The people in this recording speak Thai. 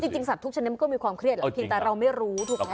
จริงสัตว์ทุกชนิดมันก็มีความเครียดแหละเพียงแต่เราไม่รู้ถูกไหม